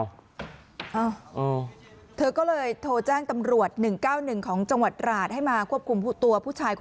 อ่ะออกก็เลยโทรแจ้งตำรวจ๑๙๑ของจังหวัดราชให้มาควบคุมผู้ตัว